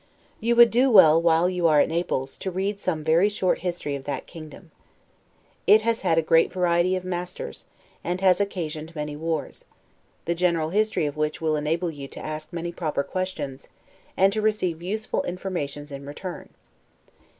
You would do well, while you are at Naples, to read some very short history of that kingdom. It has had great variety of masters, and has occasioned many wars; the general history of which will enable you to ask many proper questions, and to receive useful informations in return.